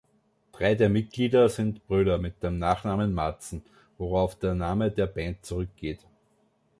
Drei der Mitglieder sind Brüder mit dem Nachnamen Madsen, worauf der Name der Band zurückgeht.